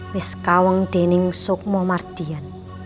meskawang dening sukmo mardian